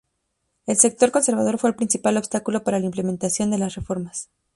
El sector conservador fue el principal obstáculo para la implementación de las reformas.